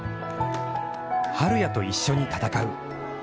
晴也と一緒に戦う。